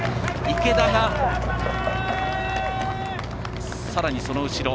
池田がさらにその後ろ。